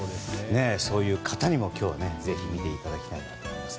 そういう方にも今日はぜひ見ていただきたいなと思います。